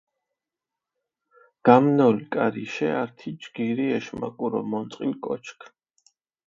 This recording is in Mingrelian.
გამნოლ კარიშე ართი ჯგირი ეშმაკურო მონწყილ კოჩქ.